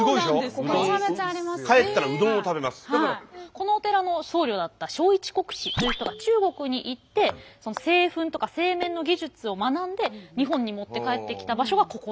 このお寺の僧侶だった聖一国師という人が中国に行って製粉とか製麺の技術を学んで日本に持って帰ってきた場所がここ。